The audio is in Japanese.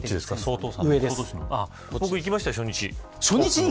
僕、行きましたよ、初日。